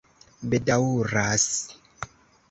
bedaŭras